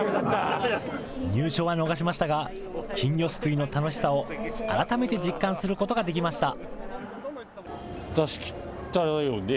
入賞は逃しましたが金魚すくいの楽しさを改めて実感することができました。